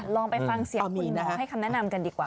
ลองไปฟังเสียงคุณหมอให้คำแนะนำกันดีกว่า